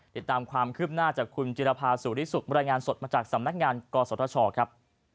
ติดตามความคืบหน้าจากคุณจิรภาสุริสุขบรรยายงานสดมาจากสำนักงานกศธชครับ